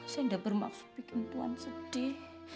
saya sudah bermaksud membuat tuan sedih